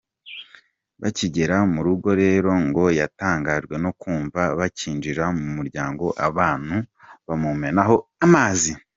Bakigera murugo rero ngo yatangajwe no kumva bakinjira mu muryango abantu bamumenaho amazi.